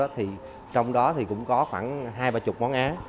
trong đó thì cũng có khoảng hai ba mươi món á